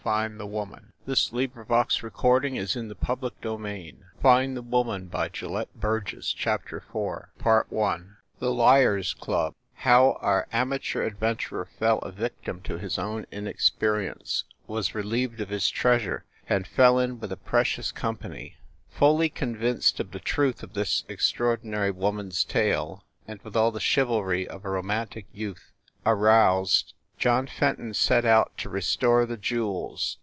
Fenton wondered if he were a detective. ... But the time had come for him to act, himself, and he rose to go. IV THE LIARS CLUB HOW OUR AMATEUR ADVENTURER FELL A VICTIM TO HIS OWN INEXPERIENCE, WAS RELIEVED OF HIS TREASURE, AND FELL IN WITH A PRECIOUS COMPANY FULLY convinced of the truth of this extraordi nary woman s tale, and with all the chivalry of a romantic youth aroused, John Fenton set out to re store the jewels.